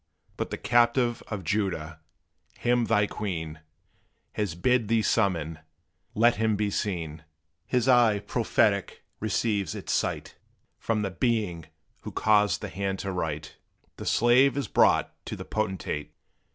But the captive of Judah, him thy queen Has bid thee summon let him be seen! His eye prophetic receives its sight From the Being, who caused the hand to write. The slave is brought to the potentate!